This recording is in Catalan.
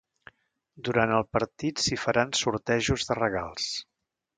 Durant el partit s’hi faran sortejos de regals.